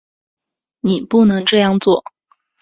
你不能这样做